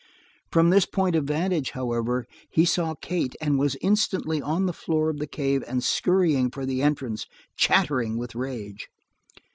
From this point of vantage, however, he saw Kate, and was instantly on the floor of the cave and scurrying for the entrance, chattering with rage.